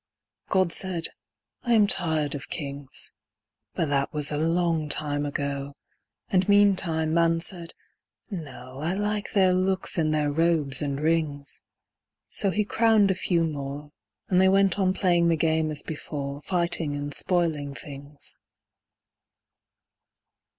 God said, "I am tired of kings," But that was a long time ago! And meantime man said, "No, I like their looks in their robes and rings." So he crowned a few more, And they went on playing the game as before Fighting and spoiling things.